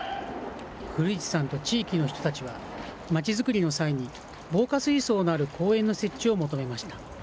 古市さんと地域の人たちは、まちづくりの際に防火水槽のある公園の設置を求めました。